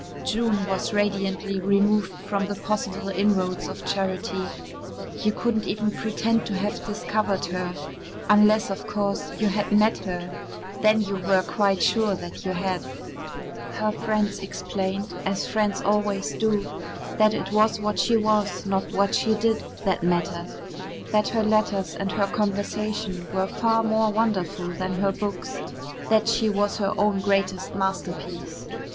June was radiantly removed from the possible inroads of charity. You couldn't even pretend to have discovered her unless, of course, you had met her then you were quite sure that you had. Her friends explained as friends always do that it was what she was, not what she did, that mattered, that her letters and her conversation were far more wonderful than her books, that she was her own greatest masterpiece.